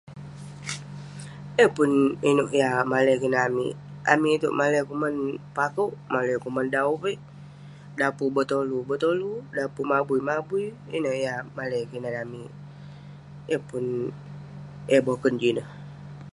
Yeng pun ineuk yah malai kinan amik. Amik iteuk malai kuman pakeuk, malai kuman dau uveik. Dan pun betolu, betolu. Dan pun mabui, mabui. Ineh yah malai kinan amik. Yeng pun yah boken jineh.